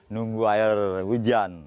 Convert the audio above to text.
nunggu air hujan